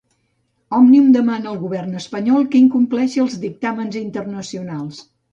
Òmnium demana al govern espanyol que incompleixi els dictàmens internacionals.